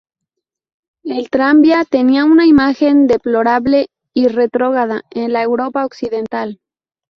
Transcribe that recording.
El tranvía tenía una imagen deplorable y retrógrada en la Europa occidental.